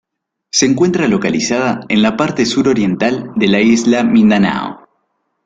Se encuentra localizada en la parte sur oriental de la isla Mindanao.